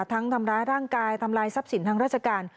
ทั้งทำร้ายร่างกายทำลายทรัพย์สินทหาร